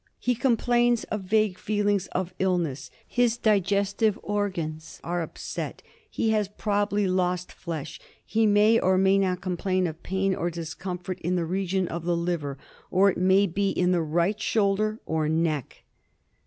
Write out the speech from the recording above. He complains of vague feelings of illness ; his digestive organs are upset ; he has probably lost flesh ; he may or may not complain of pain or dis comfort in the region of the liver, or it may be in the right shoulder or neck.